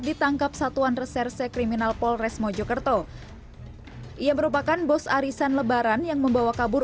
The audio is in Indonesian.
ditangkap satuan reserse kriminal polres mojokerto ia merupakan bos arisan lebaran yang membawa kabur